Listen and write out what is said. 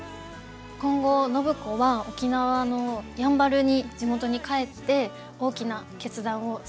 今後暢子は沖縄のやんばるに地元に帰って大きな決断をします。